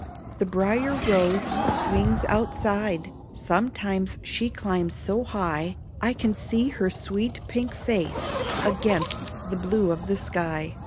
The Brier Rose swings outside ; Sometimes she climbs so high I can see her sweet pink face Against the blue of the sky.